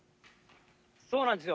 そうなんですよ。